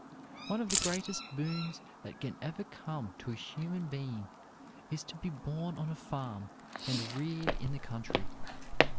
One of the greatest boons that can ever come to a human being is to be born on a farm and reared in the country.